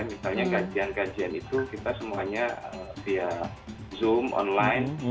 misalnya gajian gajian itu kita semuanya via zoom online